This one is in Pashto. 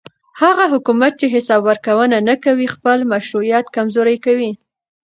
هغه حکومت چې حساب ورکوونه نه کوي خپل مشروعیت کمزوری کوي